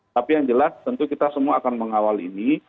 tapi yang jelas tentu kita semua akan mengawal ini